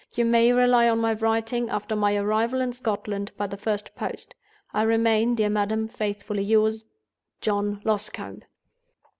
You may rely on my writing, after my arrival in Scotland, by the first post. "I remain, dear Madam, faithfully yours, "JOHN LOSCOMBE."